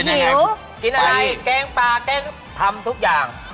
ได้หมดทุกอย่าง